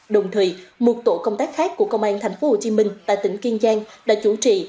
đồng thời một tổ công tác khác của công an tp hcm tại tỉnh kiên giang đã chủ trì